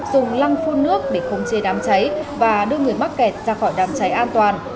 dùng lăng phun nước để khống chế đám cháy và đưa người mắc kẹt ra khỏi đám cháy an toàn